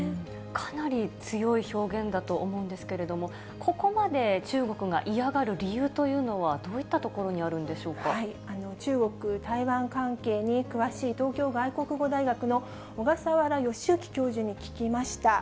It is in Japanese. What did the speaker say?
かなり強い表現だと思うんですけれども、ここまで中国が嫌がる理由というのは、どういったところにあるん中国、台湾関係に詳しい東京外国語大学の小笠原欣幸教授に聞きました。